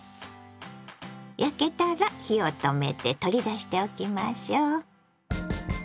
焼けたら火を止めて取り出しておきましょう。